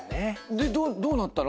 でどうなったの？